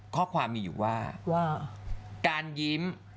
ข้อความมีอยู่ว่าการยิ้ม